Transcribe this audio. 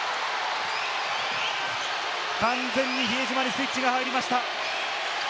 完全に比江島にスイッチが入りました。